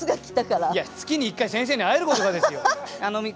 月に１回先生に会えることがですよ。